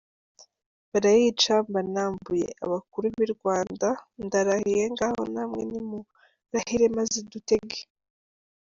Barayica mba nambuye abakuru b’i Rwanda; ndarahiye ngaho namwe nimurahire maze dutege!".